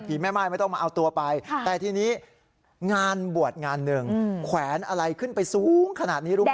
แม่ม่ายไม่ต้องมาเอาตัวไปแต่ทีนี้งานบวชงานหนึ่งแขวนอะไรขึ้นไปสูงขนาดนี้รู้ไหม